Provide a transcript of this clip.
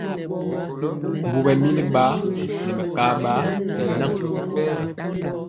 Mbu ɓɛmili ba ne mekaba ne ŋa.